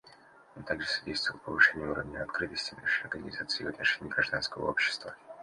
Он также содействовал повышению уровня открытости нашей Организации в отношении гражданского общества.